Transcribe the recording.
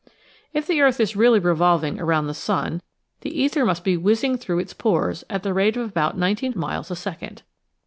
If the earth is really revolving around the sun the ether must be whizzing through its pores at the rate of about nineteen miles a second.